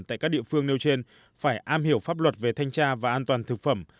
tại các địa phương nêu trên phải am hiểu pháp luật về thanh tra và an toàn thực phẩm